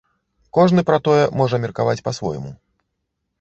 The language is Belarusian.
Кожны пра тое можа меркаваць па-свойму.